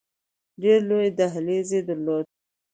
ډېر لوی دهلیز یې درلود.